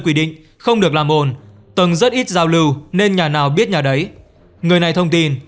quy định không được làm ổn tầng rất ít giao lưu nên nhà nào biết nhà đấy người này thông tin